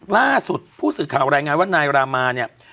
ล่าสุดผู้สื่อข่าวรายงานว่านายรามาเนี่ย